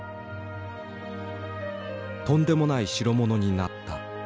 とんでもない代物になった。